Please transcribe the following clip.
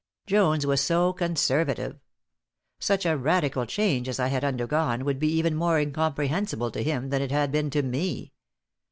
Jones was so conservative! Such a radical change as I had undergone would be even more incomprehensible to him than it had been to me.